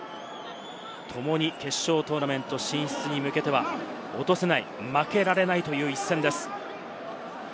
共に決勝トーナメント進出に向けては、落とせない、負けられない一戦です。